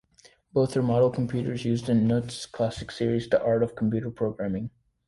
Both are model computers used in Knuth's classic series, "The Art of Computer Programming".